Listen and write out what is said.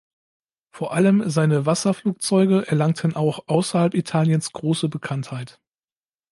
Vor allem seine Wasserflugzeuge erlangten auch außerhalb Italiens große Bekanntheit.